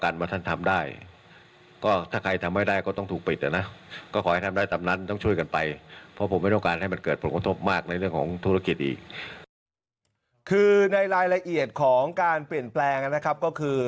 ไล่ละเอียดของการเปลี่ยนแปลงก็คือ